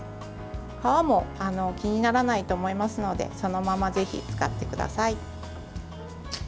皮も気にならないと思いますのでそのままぜひ使ってください。